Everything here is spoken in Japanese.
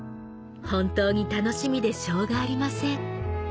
本当に楽しみでしょうがありません」